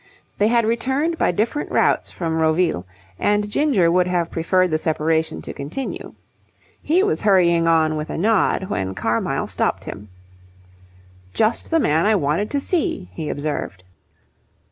They had returned by different routes from Roville, and Ginger would have preferred the separation to continue. He was hurrying on with a nod, when Carmyle stopped him. "Just the man I wanted to see," he observed.